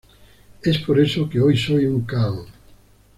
Es por eso que hoy soy un Kahn.